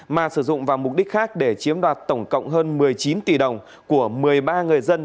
mà sử dụng vào mục đích khác để chiếm đoạt tổng cộng hơn một mươi chín tỷ đồng của một mươi ba người dân